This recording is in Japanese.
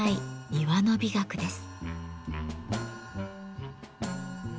庭の美学です。